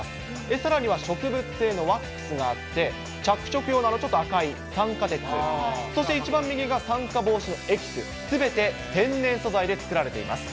さらには植物性のワックスがあって、着色用のちょっと赤い酸化鉄、そして一番右が酸化防止のエキス、すべて天然素材で作られています。